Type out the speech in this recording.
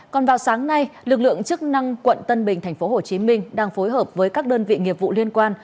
còn vào sáng nay lực lượng chức năng quận tân bình tp hcm đang phối hợp với các đơn vị nghiệp vụ liên quan